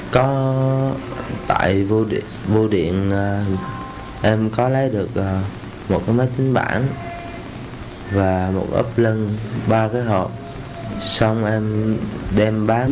có tại vô điện em có lấy được một cái máy tính bản và một ấp lân ba cái hộp xong em đem bán